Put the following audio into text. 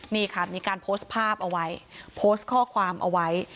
นี่ค่ะมีการโพสต์ภาพเอาไว้โพสต์ข้อความเอาไว้